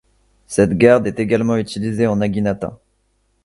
Cette garde est également utilisée en Naginata.